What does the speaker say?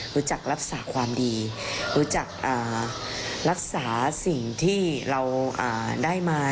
รู้จักรักษาความดีรู้จักรักษาสิ่งที่เราได้มา